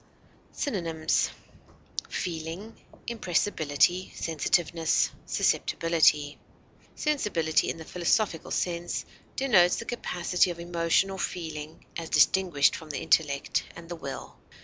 Synonyms: feeling, impressibility, sensitiveness, susceptibility. Sensibility in the philosophical sense, denotes the capacity of emotion or feeling, as distinguished from the intellect and the will.